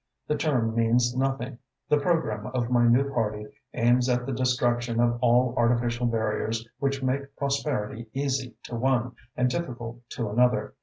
The term means nothing. The programme of my new party aims at the destruction of all artificial barriers which make prosperity easy to one and difficult to another.